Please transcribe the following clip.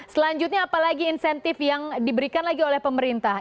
selanjutnya apalagi insentif yang diberikan lagi oleh pemerintah